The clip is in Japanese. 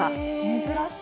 珍しい？